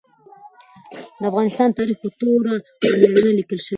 د افغانستان تاریخ په توره او مېړانه لیکل شوی.